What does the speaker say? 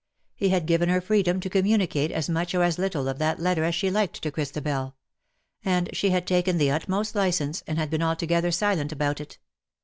He had given her freedom to communicate as much or as little of that letter as she liked to Christabel — and she had taken the utmost license, and had been alto gether silent about it.